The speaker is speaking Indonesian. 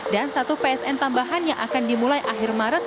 dan satu psn tambahan yang akan dimulai akhir maret